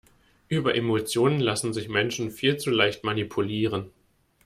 Über Emotionen lassen sich Menschen viel zu leicht manipulieren.